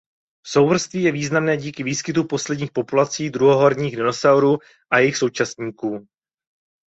Souvrství je významné díky výskytu posledních populací druhohorních dinosaurů a jejich současníků.